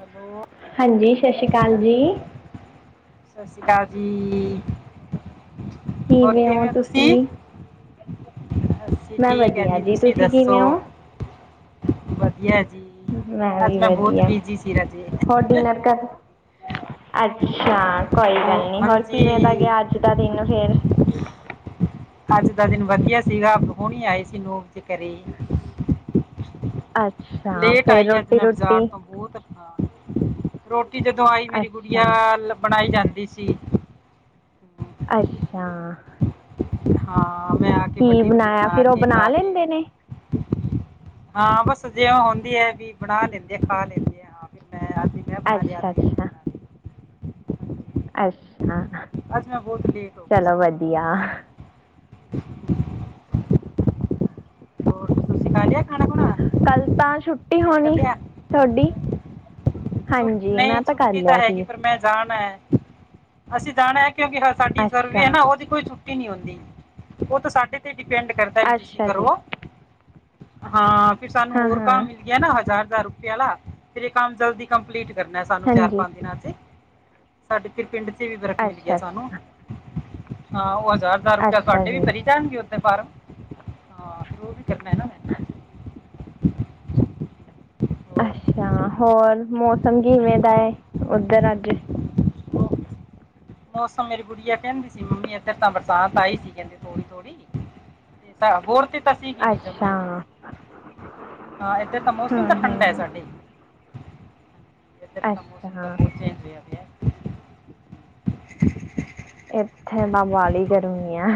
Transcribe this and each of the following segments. Hello. ਹਾਂਜੀ ਸ਼ਸ਼ ਸ਼੍ਰੀ ਕਾਲ ਜੀ। ਸਤਿ ਸ਼੍ਰੀ ਅਕਾਲ ਜੀ ਹੋਰ ਕਿਵੇਂ ਔ ਤੁਸੀਂ ਅਸੀ ਮੈਂ ਠੀਕ ਐ ਵਧੀਆ ਜੀ ਤੁਸੀਂ ਦੱਸੋ ਕਿਵੇਂ ਹੋ ਵਦੀਆ ਜੀ ਮੈਂ ਵੀ ਅੱਜ ਮੈਂ ਬਹੁਤ ਵਦੀਆ ਬਿਜੀ ਸੀ ਰਾਜੇ ਹੋਰ ਡਿਨਰ ਕਰ ਅੱਛਾ, ਕੋਈ ਉਹ ਗੱਲ ਨੀ ਹੋਰ ਹਾਂਜੀ ਕਿਵੇਂ ਦਾ ਗਿਆ ਅੱਜ ਦਾ ਦਿਨ ਫੇਰ ਅੱਜ ਦਾ ਦਿਨ ਵਦੀਆ ਸੀਗਾ ਪਰੋਣੇ ਆਏ ਸੀ ਨੋ ਵਜੇ ਘਰੇ। ਅੱਛਾ ਲੇਟ ਫੇਰ ਆਈ ਅੱਜ ਰੋਟੀ ਮੈਂ ਬਾਜ਼ਾਰ ਰੋਟੀ ਤੋਂ ਬਹੁਤ ਹਾਂ ਰੋਟੀ ਜਦੋਂ ਆਈ ਮੇਰੀ ਗੁੜੀਆ ਅੱਛਾ ਬਣਾਈ ਜਾਂਦੀ ਸੀ ਅੱਛਾ। ਹਾਂ ਮੈਂ ਆ ਕੇ ਕੀ ਵੱਡੀ ਵੱਡੀ ਬਣਾਇਆ ਬਨਾ ਫਿਰ ਉਹ ਕੇ ਬਣਾ ਖਾ ਕੇ ਲੈਂਦੇ ਨੇ ਹਾਂ ਬਸ ਜੇ ਉਹ ਹੁੰਦੀ ਹੈ ਵੀ ਬਣਾ ਲੈਂਦੇ ਆ ਖਾ ਲੈਂਦੇ ਆ ਹਾਂ ਮੈਂ ਅੱਜ। ਅੱਛਾ-ਅੱਛਾ। ਅੱਛਾ, ਅੱਜ ਮੈਂ ਬਹੁਤ ਲੇਟ ਹੋ ਗਈ ਸੀ ਚਲੋ ਵਧੀਆ। ਹਾਂ ਹੋਰ ਤੁਸੀਂ ਖਾ ਲਿਆ ਖਾਨਾ-ਖੂਨਾ ਕੱਲ ਤਾਂ ਛੁੱਟੀ ਹੋਨੀ ਤੁਹਾਡੀ ਛੁੱ ਹਾਂਜੀ ਨਹੀਂ ਮੈਂ ਕਰ ਛੁੱਟੀ ਤਾਂ ਲਿਆ ਹੈਗੀ ਸੀ ਪਰ ਮੈਂ ਜਾਨਾ ਏ ਅਸੀਂ ਜਾਨਾ ਏ ਕਿਉਂਕਿ ਸਾਡੀ ਸਰਵੇ ਐ ਅੱਛਾ ਨਾ ਉਹਦੀ ਕੋਈ ਛੁੱਟੀ ਨਹੀਂ ਹੁੰਦੀ ਉਹ ਤਾਂ ਸਾਡੇ ਡਿਪੈਂਡ ਕਰਦਾ ਵੀ ਤੁਸੀਂ ਅੱਛਾ ਜੀ ਕਰੋ ਹਾਂ ਫਿਰ ਸਾਨੂੰ ਹਾਂ ਹੋਰ ਹਾਂ ਕੰਮ ਮਿਲਦਾ ਯਹ ਨਾ ਹਜ਼ਾਰ-ਹਜ਼ਾਰ ਰੁਪਏ ਆਲਾ ਫਿਰ ਇਹ ਕੰਮ ਜਲਦੀ ਕੰਪਲੀਟ ਕਰਨਾ ਸਾਨੂੰ ਚਾਰ ਹਾਂਜੀ ਪੰਜ ਦਿਨਾਂ ਤੇ ਸਾਡੇ ਫਿਰ ਪਿੰਡ ਚ ਵੀ ਵਰਕ ਮਿਲ ਗਿਆ। ਅੱਛਾ ਸਾਨੂੰ ਅੱਛਾ ਹਾਂ ਉਹ ਹਜਾਰ ਹਜਾਰ ਰੂਪਆ ਅੱਛਾ ਤੁਹਾਡੇ ਵੀ ਜੀ ਭਰੀ ਜਾਣਗੇ ਉਦੇ ਫਾਰਮ ਹਾਂ ਉਹ ਵੀ ਕਰਨਾ ਹੈ ਨਾ ਮੈਂ [inaudible] ਉਹ- ਅੱਛਾ ਹੋਰ ਮੌਸਮ ਕਿਵੇਂ ਦਾ ਏ ਉੱਧਰ ਅੱਜ ਉਹ ਮੌਸਮ ਮੇਰੀ ਗੁੜੀਆ ਕਹਿੰਦੀ ਸੀ ਮੰਮੀ ਏਧਰ ਤਾਂ ਬਰਸਾਤ ਆਈ ਸੀ ਕਹਿੰਦੇ ਥੋੜੀ-ਥੋੜੀ ਤਾਂ ਹੋਰ ਤੇ ਤਾਂ ਸੀਗੀ ਨੀ ਜਮਾ ਅੱਛਾ ਈ ਹਾਂ ਏਧਰ ਤਾਂ ਹੂੰ ਮੌਸਮ ਤਾਂ ਠੰਡਾ ਏ ਹੂੰ ਸਾਡੇ ਏਧਰ ਤਾਂ ਮੌਸਮ ਤਾਂ ਅੱਛਾ ਬਹੁਤ ਚੇਂਜ ਹੋਇਆ ਪੇਆ ਏਥੇ ਤਾਂ ਬਾਲੀ ਗਰਮੀ ਆ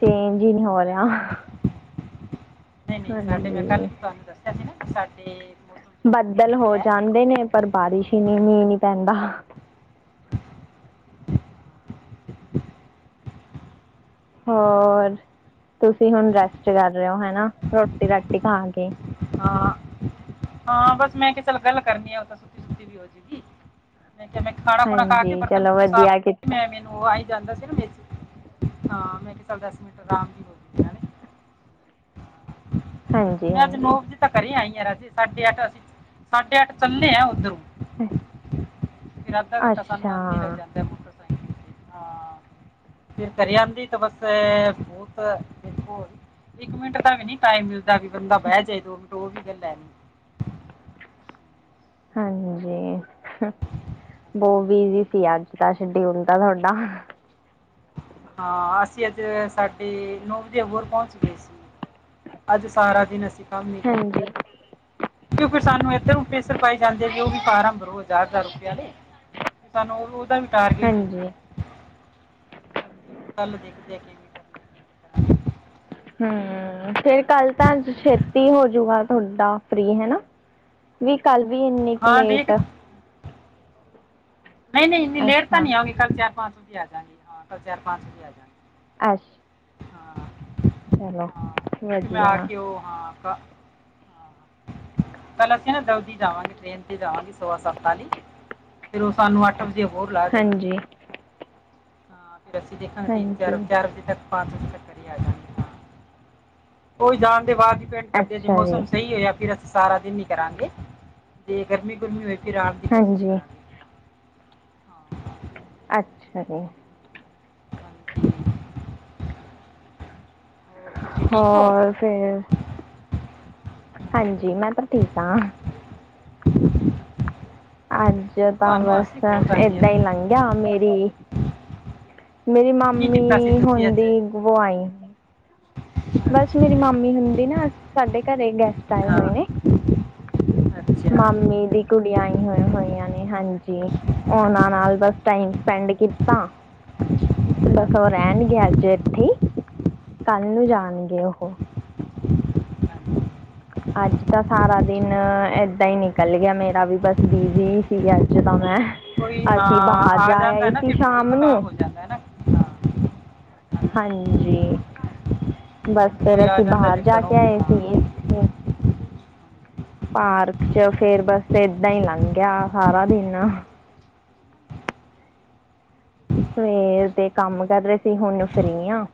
ਚੇਂਜ ਈ ਨੀ ਹੋ ਰਿਹਾ ਨਈ-ਨਈ ਸਾਡੇ ਮੈਂ ਕੱਲ ਹਾਂਜੀ ਵੀ ਤੁਹਾਨੂੰ ਦੱਸਿਆ ਸੀ ਨਾ ਵੀ ਸਾਡੇ ਮੌਸਮ 'ਚ ਬਹੁਤ ਬੱਦਲ ਫਰਕ ਹੋ ਹੈ ਜਾਂਦੇ ਨੇ, ਪਰ ਹਾਂ ਬਾਰਿਸ਼ ਈ ਨੀ, ਮੀਂਹ ਨੀ ਪੈਂਦਾ ਹੋਰ ਤੁਸੀਂ ਹੁਣ ਰੈਸਟ ਕਰ ਰੇਓ ਹੈਨਾ ਰੋਟੀ ਰਾਟੀ ਖਾ ਕੇ ਹਾਂ, ਹਾਂ ਬਸ ਮੈਂ ਕਿਹਾ ਚੱਲ ਗੱਲ ਕਰਨੀ ਆ ਉਹ ਤਾਂ ਸੁੱਤੀ-ਸੁੱਤੀ ਵੀ ਹੋਜੂਗੀ ਮੈਂ ਕਿਆ ਮੈਂ ਖਾਣ- ਖੂਣਾ ਖਾ ਕੇ ਹਾਂਜੀ ਚਲੋ ਬਰਤਨ-ਬੁਰਤਨ ਵਧੀਆ ਸਾਫ਼ ਕੀਤਾ ਮੈਂ ਉਹ ਆਈ ਜਾਂਦਾ ਸੀ ਨਾ ਵਿੱਚ ਹਾਂ ਮੈਂ ਕਿਹਾ ਚੱਲ ਦਸ ਮਿੰਟ ਆਰਾਮ ਜੀ ਹੋ ਜੂਗੀ ਨਾਲੇ ਹਾਂਜੀ ਮੈਂ ਅੱਜ ਨੌ ਹਾਂਜੀ ਵਜੇ ਤਾਂ ਘਰੇ ਆਈ ਆ ਰਾਜੇ ਸਾਢੇ ਅੱਠ ਅਸੀਂ ਸਾਢੇ ਅੱਠ ਚੱਲੇ ਆ ਉੱਧਰੋਂ ਫਿਰ ਅੱਧਾ ਘੰਟਾ ਸਾਨੂੰ ਅੱਛਾ ਆਂਦੇ ਲੱਗ ਜਾਂਦੇ ਏ ਮੋਟਰਸਾਈਕਲ ਤੇ ਹਾਂ ਫਿਰ ਘਰੇ ਆਂਦੀ ਤਾਂ ਬਸ ਐ ਬੋਤ ਦੇਖੋ ਇੱਕ ਮਿੰਟ ਦਾ ਵੀ ਨੀ ਟਾਈਮ ਮਿਲਦਾ ਵੀ ਬੰਦਾ ਬਹਿ ਜੇ ਦੋ ਮਿੰਟ ਉਹ ਵੀ ਗੱਲ ਐ ਨੀ ਹਾਂਜੀ, ਬੋਅ ਬਿਜੀ ਸੀ ਅੱਜ ਦਾ ਸ਼ਡਿਊਲ ਦਾ ਥੋਡਾ ਹਾਂ ਅਸੀਂ ਅੱਜ ਸਾਢੇ ਨੌ ਵਜੇ ਹੋਰ ਪਹੁੰਚ ਗਏ ਸੀ ਅੱਜ ਸਾਰਾ ਦਿਨ ਅਸੀਂ ਕੰਮ ਈ ਕੀਤਾ ਐ ਹਾਂਜੀ ਕਿਉਂ ਫਿਰ ਸਾਨੂੰ ਏਧਰੋ ਪਰੇਸਰ ਪਾਏ ਜਾਂਦੇ ਜੋ ਵੀ ਫਾਰਮ ਭਰੋ ਹਜ਼ਾਰ-ਹਜਾਰ ਰੁਪਏ ਆਲੇ ਸਾਨੂੰ ਉਹ ਉਹਦਾ ਵੀ ਹੁੰਦਾ ਹਾਂਜੀ। ਹੈ ਹਾਂਜੀ ਹੁਨ ਕੱਲ ਦੇਖਦੇ ਆ ਕਿਵੇਂ ਕਰਨਾ ਹੈ, ਕਿਵੇਂ ਕਰਾਂਗੇ ਹੂੰ ਫੇਰ ਕੱਲ ਤਾਂ ਛੇਤੀ ਹੋ ਜੂਗਾ ਥੋਡਾ ਫਰੀ ਹੈਨਾ। ਨੀ ਕੱਲ ਵੀ ਇੰਨੀ ਕ ਹਾਂ ਦੇਖ ਲੇਟ ਨਈ-ਨਈ ਇੰਨੀ ਲੇਟ ਤਾਂ ਅੱਛਾ ਨੀ ਆਵਾਗੀ ਕੱਲ੍ਹ ਚਾਰ-ਪੰਜ ਵਜੇ ਆ ਜਾਗੀ ਹਾਂ ਕੱਲ ਚਾਰ-ਪੰਜ ਵਜੇ ਆ ਜਾਗੇ। ਅੱਛ ਹਾਂ, ਚਲੋ ਹਾਂ ਕਿਉਂਕਿ ਮੈਂ ਆ ਵਧੀਆ ਕੇ ਉਹ ਹਾਂ ਹਾਂ ਕੱਲ ਅਸੀਂ ਨਾ ਜਲਦੀ ਜਾਵਾਂਗੇ ਟ੍ਰੇਨ 'ਤੇ ਜਾਵਾਂਗੇ ਸੋਵਾ ਸੱਤ ਆਲੀ, ਫੇਰ ਉਹ ਸਾਨੂੰ ਅੱਠ ਵਜੇ ਅਬੋਹਰ ਲਾ ਦਿੰਦੀ ਐ, ਹਾਂਜੀ ਹਾਂ ਫਿਰ ਅਸੀਂ ਦੇਖਾਂਗੇ ਹਾਂਜੀ ਤਿੰਨ-ਚਾਰ, ਚਾਰ ਵਜੇ ਤੱਕ ਪੰਜ ਵਜੇ ਕਰੇ ਉਹ ਜਾਣ ਦੇ ਬਾਅਦ ਈ ਪੇਡ ਕੱਟੇ ਜੇ ਅੱਛਾ ਜੀ ਮੌਸਮ ਸਈ ਹੋਇਆ ਫਿਰ ਅਸ ਸਾਰਾ ਦਿਨ ਈ ਕਰਾਂਗੇ ਜੇ ਗਰਮੀ-ਗੁਰਮੀ ਹੋਈ ਫਿਰ ਆਣ ਦੀ ਕੋਸ਼ਿਸ਼ ਹਾਂਜੀ ਕਰਾਂਗੇ। ਹਾਂ ਅੱਛਾ ਜੀ। ਹਾਂਜੀ ਹੋਰ ਤੁਸੀਂ ਠੀਕ ਹੋ ਹੋਰ ਫੇਰ ਹਾਂਜੀ ਮੈਂ ਤਾਂ ਠੀਕ ਆ। [inaudible] ਅੱਜ ਤਾਂ ਤੁਹਾਨੂੰ ਅਸੀਂ ਬਸ ਬਹੁਤ ਆਉਂਦੀ ਹੈ ਏਦਾਂ ਈ ਨਾ ਲੰਘ ਗਿਆ ਮੇਰੀ ਮੇਰੀ ਕੀ ਕੀਤਾ ਸੀ ਮਾਮੀ ਤੁਸੀਂ ਅੱਜ ਹੁੰਦੀ ਜਦੋ ਆਏ ਅਨ। ਬਸ ਅੱਛਾ ਮੇਰੀ ਮਾਮੀ ਹੁੰਦੀ ਨਾ ਸਾਡੇ ਘਰੇ ਗੈਸਟ ਆਏ ਹਾਂ ਹੋਏ ਨੇ ਅੱਛਾ ਠੀਕ ਮਾਮੀ ਹੈ ਦੀ ਕੁੜੀ ਆਈ ਹੋ ਹੋਈਆਂ ਨੇ ਹਾਂਜੀ ਉਹਨਾਂ ਅੱਛਾ, ਨਾਲ ਬਸ ਟਾਈਮ ਸਪੈਂਡ ਕੀਤਾ ਬਸ ਉਹ ਹਾਂਜੀ, ਰਹਿਣਗੇ ਅੱਜ ਏਥੇ, ਕੱਲ ਨੂੰ ਜਾਣਗੇ ਉਹ। ਹਾਂਜੀ। ਅੱਜ ਤਾਂ ਸਾਰਾ ਦਿਨ ਏਦਾਂ ਈ ਨਿੱਕਲ ਗਿਆ ਮੇਰਾ ਵੀ ਬਸ ਬਿਜੀ ਈ ਸੀ ਅੱਜ ਤਾਂ ਮੈਂ। ਕੋਈ ਹਾਂ ਅਸੀਂ ਬਾਹਰ ਆ ਜਾ ਜਾਂਦਾ ਆਏ ਹੈ ਨਾ ਸੀ ਫਿਰ ਬਹੁਤ ਸ਼ਾਮ ਨੂੰ ਕੰਮ ਹੋ ਜਾਂਦਾ ਹੈ ਨਾ ਹਾਂ, ਹਾਂਜੀ, ਬਸ ਹਾਂ, ਫੇਰ ਕੋਈ ਆ ਅਸੀਂ ਜਾਂਦਾ ਬਾਹਰ ਜੇ ਜਾ ਕਰੋ ਕੇ ਆਏ ਸੀ ਹਾਂ ਇੱਥੇ ਪਾਰਕ 'ਚ ਫੇਰ ਬਸ ਏਦਾਂ ਈ ਲੰਘ ਗਿਆ ਸਾਰਾ ਦਿਨ। ਸਵੇਰ ਦੇ ਕੰਮ ਕਰ ਰਹੇ ਸੀ ਹੁਣ ਫਰੀ ਆ।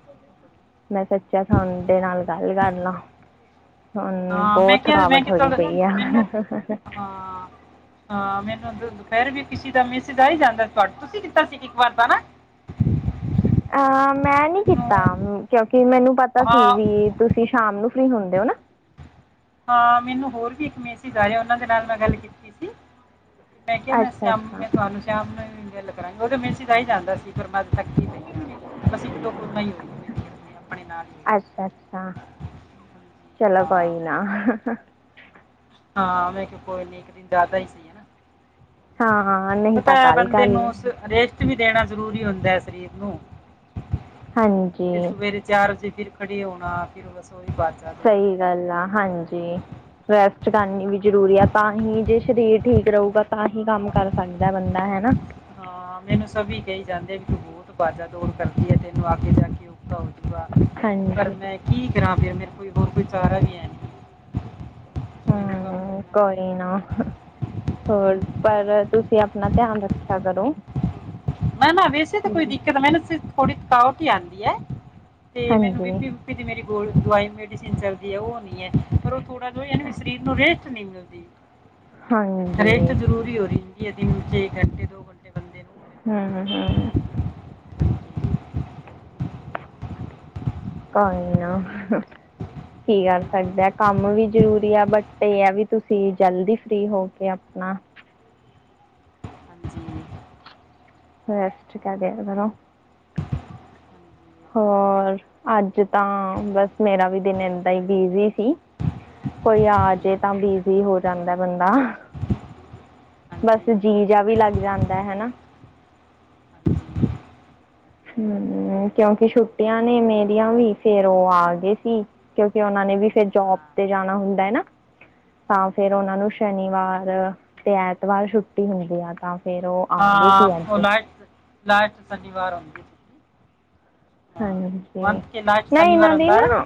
ਮੈਂ ਸੱਚਿਆ ਥੋਹਡੇ ਨਾਲ ਗੱਲ ਕਰ ਲਾ। ਹੁਣ ਹਾਂ ਮੈਂ ਬੋਤ ਕਿਹਾ ਮੈਂ ਥਕਾਵਟ ਕਿ ਹੋਈ ਚਲ ਪਈ ਆ। ਮੈਨੂੰ ਹਾਂ ਹਾਂ ਮੈਨੂੰ ਦੁਪਹਿਰ ਵੀ ਕਿਸੀ ਦਾ ਮੈਸਜ ਆ ਈ ਜਾਂਦਾ ਤੁਹਡ ਤੁਸੀਂ ਕੀਤਾ ਸੀ ਇੱਕ ਵਾਰ ਤਾਂ ਨਾ। [inaudible] ਅ ਮੈਂ ਨੀ ਮੈਨੂੰ ਕੀਤਾ ਕਿਉਂਕਿ ਮੈਨੂੰ ਪਤਾ ਸੀ ਹਾਂ ਵੀ ਤੁਸੀਂ ਸ਼ਾਮ ਨੂੰ ਫ੍ਰਰੀ ਹੋਂਦੇ ਓ ਨਾ। ਹਾਂ ਮੈਨੂੰ ਹੋਰ ਵੀ ਇੱਕ ਮੇਸੇਜ ਆਯਾ ਉਨਾਂ ਦੇ ਨਾਲ ਮੈਂ ਗੱਲ ਕੀਤੀ ਸੀ ਤੇ ਮੈਂ ਕਿਯਾ ਮੇ ਅੱਛਾ ਸਯਾਮ ਅੱਛਾ ਮੈਂ ਤੁਆਨੂੰ ਸ਼ਾਮ ਨੂੰ ਈ ਗੱਲ ਕਰਾਂਗੀ ਉਦੇ ਮੇਸਜ ਆਈ ਜਾਂਦਾ ਸੀ ਪਰ ਮੈਂ ਥੱਕੀ ਪਈ ਆ। ਬਸ ਇੱਕ- ਦੋ ਕੋਲਾਂ ਈ ਹੋਏਗੀ ਮੇਰੀ ਆਪਣੇ- ਆਪਣੇ ਨਾਲ ਈ ਅੱਛਾ, ਅੱਛਾ ਚਲੋ ਹਾਂ ਕੋਈ ਨਾ ਹਾਂ ਮੈਂ ਕਿਯਾ ਕੋਈ ਨੀ ਇੱਕ ਦਿਨ ਜ਼ਾਦਾ ਈ ਸਈ ਹੈਨਾ ਹਾਂ ਨਹੀਂ ਪਤਾ ਤਾਂ ਏ ਕੱਲ ਕਰ ਬੰਦੇ ਨੂੰ ਸ ਲੈਣੀ ਰੇਸ ਰੇਸਟ ਵੀ ਦੇਣਾ ਜ਼ਰੂਰੀ ਹੁੰਦਾ ਏ ਸਰੀਰ ਨੂੰ, ਫਿਰ ਹਾਂਜੀ ਸਵੇਰੇ ਚਾਰ ਵਜੇ ਫਿਰ ਖੜੇ ਹੋਣਾ ਫਿਰ ਰਸੋਈ ਦਾ ਸਹੀ ਗੱਲ ਆ ਹਾਂਜੀ, ਰੈਸਟ ਕਰਨੀ ਵੀ ਜ਼ਰੂਰੀ ਆ ਤਾਂ ਹੀ ਜੇ ਸ਼ਰੀਰ ਠੀਕ ਰਉਗਾ ਤਾਂਹੀ ਹਾਂ ਕੰਮ ਹਾਂ ਕਰ ਸਗਦਾ ਬੰਦਾ ਹੈਨਾ। ਹਾਂ ਮੈਨੂੰ ਸਬੀ ਕਹੀ ਜਾਂਦੇ ਵੀ ਤੂੰ ਬੋਤ ਬਾਜ਼ਾ ਦੌੜ ਕਰਦੀਏ ਤੈਨੂੰ ਆਗੇ ਜਾ ਕੇ ਉਖਾ ਹੋ ਉਗਾ ਪਰ ਹਾਂਜੀ ਮੈਂ ਕੀ ਕਰਾਂ ਫਿਰ ਮੇਰੇ ਕੋਈ ਹੋਰ ਕੋਈ ਚਾਰਾ ਵੀ ਹੈਨੀ ਕੰਮ ਕਰ ਹੂੰ ਕੋਈ ਨਾ ਹੋਰ ਪਰ ਹਾਂ। ਤੁਸੀਂ ਆਪਨਾ ਧਿਆਨ ਰੱਖਿਆ ਕਰੋ ਨਾ, ਨਾ ਵੈਸੇ ਤਾਂ ਕੋਈ ਜੀ ਦਿੱਕਤ, ਮੈਨੂੰ ਥੋੜੀ ਥਕਾਓਟ ਈ ਆਂਦੀ ਏ ਤੇ ਮੈਨੂੰ ਹਾਂਜੀ ਬੀਪੀ ਦੀ ਮੇਰੀ ਗੋਲੀ ਦਵਾਈ ਮੈਡੀਸਿਨ ਚਲਦੀ ਏ, ਉਹ ਔ ਨੀ ਏ, ਪਰ ਉ ਥੋੜਾ ਜੋ ਐਨ ਵੀ ਸਰੀਰ ਨੂੰ ਰੇ ਰੈਸੱਟ ਨਈ ਮਿਲਦੀ, ਰੈਸਟ ਹਾਂਜੀ ਜ਼ਰੂਰੀ ਹੋ ਰਿੰਦੀ ਏ ਦਿਨ ਵਿਚ ਏਕ ਘੰਟੇ ਦੋ ਹਾਂ ਹਾਂ ਹਾਂ ਹਾਂਜੀ ਕੋਈ ਨਾ ਕੀ ਕਰ ਸਗਦੇ ਆ, ਕੰਮ ਵੀ ਜ਼ਰੂਰੀ ਆ ਬਟ ਏ ਵੀ ਤੁਸੀਂ ਜਲਦੀ ਫ੍ਰੀ ਹੋ ਕੇ ਆਪਨਾ ਹਾਂ। ਹਾਂਜੀ ਰੇਸਟ ਹੋਰ ਕਰਿਆਂ ਕਰੋ ਹਾਂਜੀ ਇਹ ਤਾਂ ਹੈ ਹੋਰ ਅੱਜ ਤਾਂ ਬਸ ਮੇਰਾ ਵੀ ਦਿਨ ਏਦਾਂ ਈ ਬਿਜ਼ੀ ਸੀ ਕੋਈ ਆ ਜੇ ਤਾਂ ਬਿਜੀ ਹੋ ਜਾਂਦਾ ਏ ਬੰਦਾ ਹਾਂਜੀ ਬਸ ਹਾਂਜੀ ਇਹ ਤਾਂ ਜੀ ਜ਼ਾ ਵੀ ਹੈ ਲੱਗ ਜਾਂਦਾ ਹੈਨਾ ਹਾਂਜੀ ਹੁ ਕਿਉਂਕਿ ਛੁੱਟੀਆਂ ਨੇ ਮੇਰੀਆਂ ਵੀ, ਫੇਰ ਉ ਆ ਗਏ ਸੀ ਕਿਉਂਕਿ ਉਨਾ ਨੇ ਵੀ ਫੇਰ ਜੋਬ ਹਾਂ ਤੇ ਜਾਣਾ ਹੁੰਦਾ ਏ ਨਾ ਤਾਂ ਫੇਰ ਉਨਾਂ ਨੂੰ ਹਾਂਜੀ ਸ਼ਨੀਵਾਰ ਤੇ ਐਤਵਾਰ ਛੁੱਟੀ ਹੁੰਦੀ ਆ ਤਾਂ ਫੇਰ ਉ ਹਾਂ ਉ ਲਾਸਟ ਲਾਸਟ ਸ਼ਨੀਵਾਰ ਹੁੰਦੀ ਏ ਹਾਂਜੀ, ਨਈ ਇਨਾਂ ਦੀ ਨਾ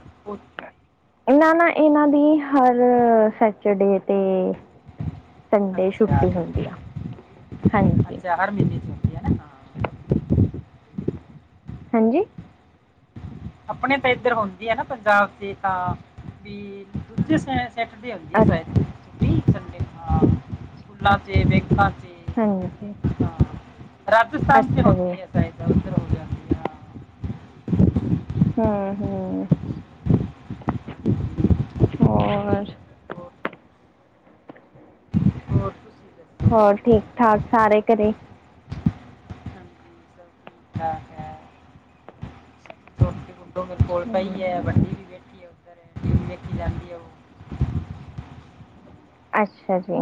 ਇਨਾ ਨਾ, ਇਨਾਂ ਦੀ ਹਰ ਸੈਟਰਡੇ ਤੇ ਸੰਡੇ ਛੁੱਟੀ ਹੁੰਦੀ ਆ। ਹਾਂਜੀ ਚਾਰ ਮਹੀਨੇ 'ਚ ਹਾਂਜੀ ਆਪਣੇ ਤੇ ਇੱਦਰ ਹੁੰਦੀ ਐ ਨਾ, ਪੰਜਾਬ 'ਚ ਤਾਂ ਵੀ ਦੂਜੇ ਸ਼ਹਿਰ ਸੈਟਰਡੇ ਹੁੰਦੀ ਏ ਅੱਛਾ ਸ਼ਾਇਦ, ਵੀ ਸੰਡੇ ਹਾਂ ਅੱਛਾ ਹਾਂਜੀ [unintelligible] ਰਾਜਸਥਾਨ ਚ ਅੱਛਾ ਜੀ ਹੋਂਦੀ ਯਾ ਫਿਰ ਏਦਰ ਉੱਧਰ ਹੋ ਜਾਂਦੀਆਂ ਹੂ ਹੂ ਹੋਰ ਹੋਰ ਹੋਰ ਤੁਸੀਂ ਦੱਸੋ ਹੋਰ ਠੀਕ ਠਾਕ ਸਾਰੇ ਘਰੇ? ਹਾਂਜੀ ਸਭ ਠੀਕ ਠਾਕ ਹੈ ਹੋਰ ਪਈ ਏ, ਹੂੰ ਵੱਡੀ ਵੀ ਬੇਟੀ ਉਦਰ ਏ, ਟੀ ਵੀ ਵੇਖੀ ਜਾਂਦੀ ਏ ਓ ਅੱਛਾ ਜੀ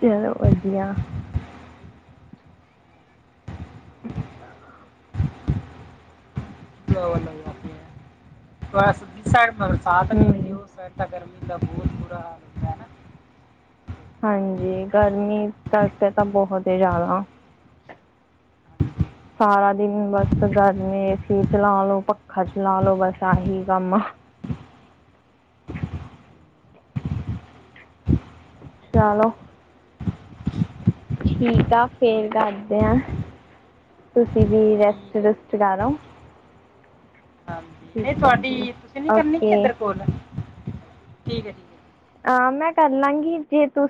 ਚਲੋ ਵਦੀਆ [inaudible] [unintelligible] ਸਾਥ ਨੀ ਹੁੰਦੀ ਹੂੰ ਉ ਸਾਡੇ ਤਾ ਗਰਮੀ ਦਾ ਬਹੁਤ ਬੁਰਾ ਹਾਲ ਏ। ਹਾਂਜੀ ਗਰਮੀ ਕਰਕੇ ਤਾਂ ਬਹੁਤ ਈ ਜ਼ਿਆਦਾ। ਹਾਂਜੀ। ਸਾਰਾ ਦਿਨ ਬਸ ਗਰਮੀ ਏ ਸੀ ਚਲਾ ਲੋੋ, ਪੱਖਾ ਚਲਾ ਲੋੋ ਬਸ ਆਹੀ ਕੰਮ ਆ। ਚਲੋ। ਠੀਕ ਆ ਫੇਰ ਕਰਦੇ ਆਂ, ਤੁਸੀਂ ਵੀ ਰੈਸਟ ਠੀਕ ਹੈ ਜੀ ਰੁਸਟ ਕਰ ਠੀਕ ਆਓ। ਨਈ ਠੀਕ ਹੈ ਜੀ ਤੁਹਾਡੀ, ਤੁਸੀਂ ਨੀ ਕਰਨੀ ਕੀ ਓਕੇ ਏਧਰ ਕੋਲ ਆ, ਠੀਕ ਏ ਠੀਕ‌। ਅ ਮੈਂ ਕਰ ਲਾਂਗੀ, ਜੇ ਤੁਸ